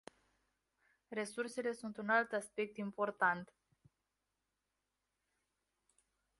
Resursele sunt un alt aspect important.